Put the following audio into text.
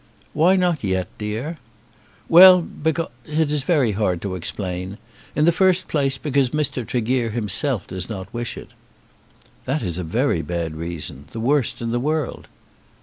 "Why not yet, dear?" "Well, because . It is very hard to explain. In the first place, because Mr. Tregear himself does not wish it." "That is a very bad reason; the worst in the world."